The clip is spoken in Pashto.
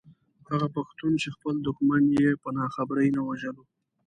هغه پښتون چې خپل دښمن يې په ناخبرۍ نه وژلو.